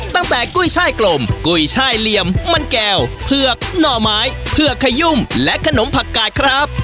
กุ้ยช่ายกลมกุ้ยช่ายเหลี่ยมมันแก้วเผือกหน่อไม้เผือกขยุ่มและขนมผักกาดครับ